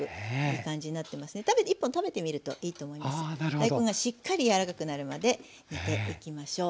大根がしっかり柔らかくなるまで煮ていきましょう。